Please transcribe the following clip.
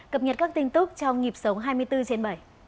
cập nhật các tin tức trong nhịp sống hai mươi bốn trên bảy